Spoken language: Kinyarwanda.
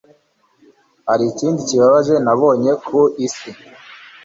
hari ikindi kibabaje nabonye ku isi